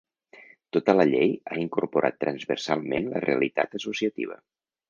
Tota la llei ha incorporat transversalment la realitat associativa.